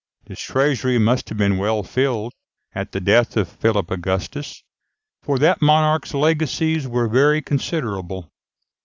This treasury must have been well filled at the death of Philip Augustus, for that monarch's legacies were very considerable.